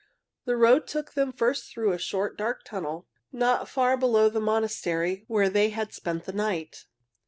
The road took them first through a short, dark tunnel, not far below the monastery where they had spent the night.